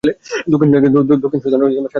দক্ষিণ সুদান স্বাধীন হয় কত সালে?